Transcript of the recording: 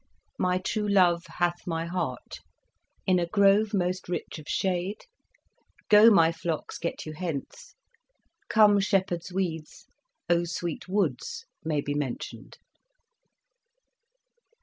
" My true love hath my heart," " In a grove most rich of shade," "Go, my flocks, get you hence," " Come shepherds weeds," " O sweet woods," may be mentioned.